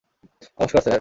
নমস্কার, স্যার।